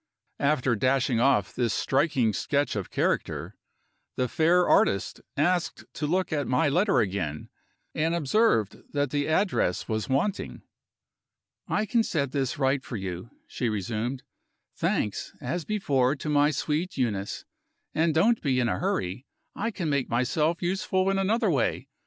After dashing off this striking sketch of character, the fair artist asked to look at my letter again, and observed that the address was wanting. "I can set this right for you," she resumed, "thanks, as before, to my sweet Euneece. And (don't be in a hurry) I can make myself useful in another way.